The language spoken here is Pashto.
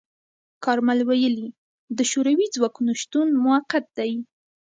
کارمل ویلي، د شوروي ځواکونو شتون موقت دی.